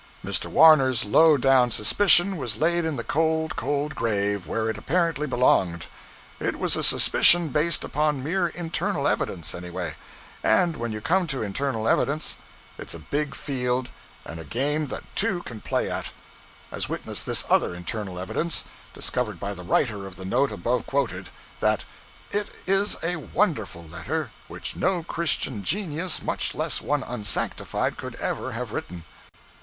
Mr. Warner's low down suspicion was laid in the cold, cold grave, where it apparently belonged. It was a suspicion based upon mere internal evidence, anyway; and when you come to internal evidence, it's a big field and a game that two can play at: as witness this other internal evidence, discovered by the writer of the note above quoted, that 'it is a wonderful letter which no Christian genius, much less one unsanctified, could ever have written.'